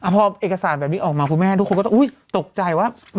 พอเอกสารแบบนี้ออกมาคุณแม่ทุกคนก็ต้องตกใจว่า